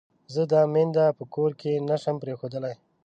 زه دا مينده په کور کې نه شم پرېښودلای.